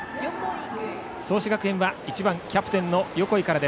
創志学園は１番キャプテンの横井から。